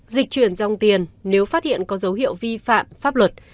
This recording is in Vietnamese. dịch chuyển dòng tiền nếu phát hiện có dấu hiệu vi phạm pháp luật